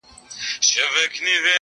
مور لا هم کمزورې ده او ډېر لږ خبري کوي,